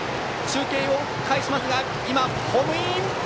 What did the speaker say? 中継を介しますが今、ホームイン。